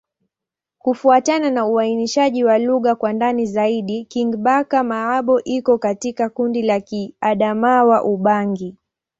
Kufuatana na uainishaji wa lugha kwa ndani zaidi, Kingbaka-Ma'bo iko katika kundi la Kiadamawa-Ubangi.